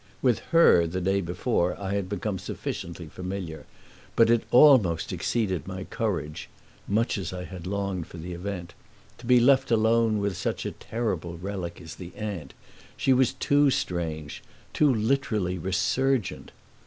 With her, the day before, I had become sufficiently familiar, but it almost exceeded my courage (much as I had longed for the event) to be left alone with such a terrible relic as the aunt. She was too strange, too literally resurgent.